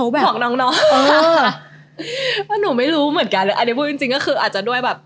ว่าหนูไม่รู้เหมือนกันอันนี้พูดจริงก็คืออาจจะด้วยแบบ